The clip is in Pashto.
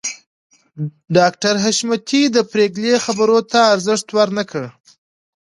ډاکټر حشمتي د پريګلې خبرو ته ارزښت ورنکړ